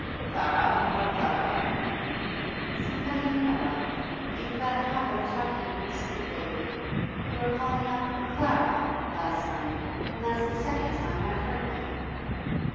'Clara? What Clara?' 'Somebody you know of. You've got a habit of talking in your sleep lately. You were calling out "Clara!" last night, and that's the second time I've heard you.